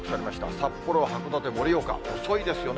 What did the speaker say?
札幌、函館、盛岡、遅いですよね。